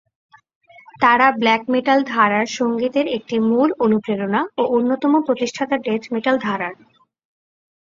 তারা black metal ধারার সংগীতের একটি মূল অনুপ্রেরণা ও অন্যতম প্রতিষ্ঠাতা ডেথ মেটাল ধারার।